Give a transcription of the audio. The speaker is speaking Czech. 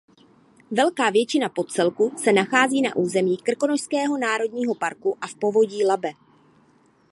Velká většina podcelku se nachází na území Krkonošského národního parku a v povodí Labe.